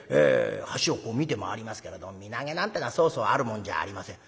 橋をこう見て回りますけれど身投げなんてのはそうそうあるもんじゃありません。